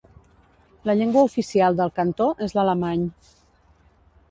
La llengua oficial del cantó és l'alemany.